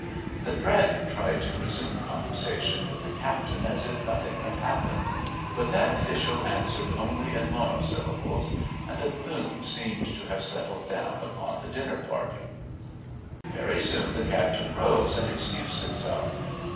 The "dragon" tried to resume conversation with the captain as if nothing had happened; but that official answered only in monosyllables, and a gloom seemed to have settled down upon the dinner party. Very soon the captain rose and excused himself.